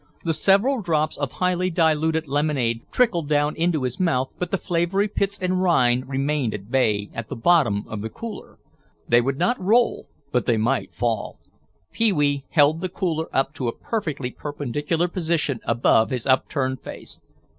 The several drops of highly diluted lemonade trickled down into his mouth but the flavory pits and rind remained at bay at the bottom of the cooler. They would not roll but they might fall. Pee wee held the cooler up to a perfectly perpendicular position above his upturned face.